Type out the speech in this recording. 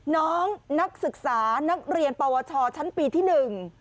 น้องนักศึกษานักเรียนปวชชั้นปีที่หนึ่ง